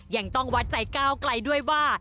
ยังต้องวัดใจก้าวไกลด้วยว่า